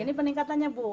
ini peningkatannya bu